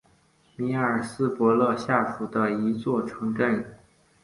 米尔斯伯勒下属的一座城镇。